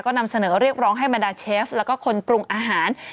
ก็นำเสนอเรียกร้องให้บรรดาเชฟแล้วก็คนปรุงอาหาร